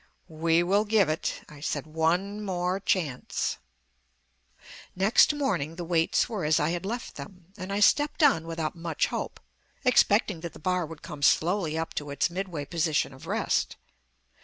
"We will give it," I said, "one more chance." Next morning the weights were as I had left them, and I stepped on without much hope, expecting that the bar would come slowly up to its midway position of rest.